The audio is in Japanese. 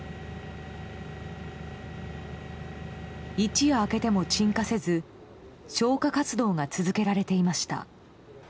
一夜明けても鎮火せず消火活動が続けられていました。